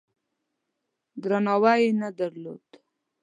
درناوی یې نه درلود.